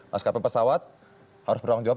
maskapai pesawat harus bertanggung jawab